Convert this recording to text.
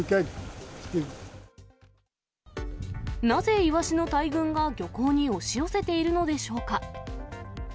なぜイワシの大群が、漁港に押し寄せているのでしょうか。